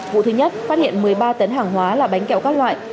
vụ thứ nhất phát hiện một mươi ba tấn hàng hóa là bánh kẹo các loại